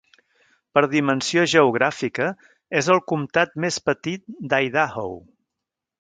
Per dimensió geogràfica, és el comtat més petit d'Idaho.